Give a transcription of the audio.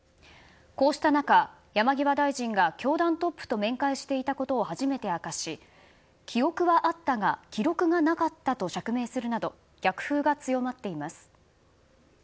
こうした中、山際大臣が教団トップと面会していたことを初めて明かし、記憶はあったが記録がなかったと釈明するなど逆風が強まっています。